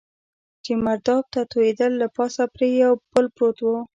چې مرداب ته توېېدل، له پاسه پرې یو پل پروت و.